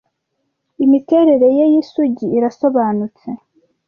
imiterere ye y isugi irasobanutse